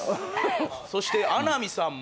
そして穴見さんも。